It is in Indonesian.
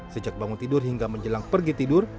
sejak bangun tidur hingga menjelang pergi tidur